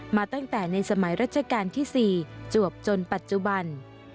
มาตั้งแต่ในสมัยรัชกาลที่๔จวบจนปัจจุบัน